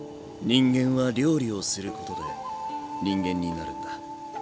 人間は料理をすることで人間になるんだ。